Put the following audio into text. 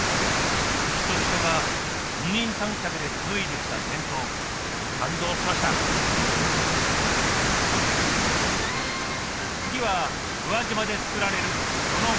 牛と人が二人三脚で紡いできた伝統感動しました次は宇和島で作られるこのパーティーグッズ